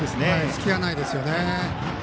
隙がないですね。